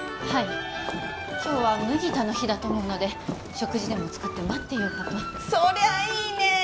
はい今日は麦田の日だと思うので食事でも作って待っていようかとそりゃいいね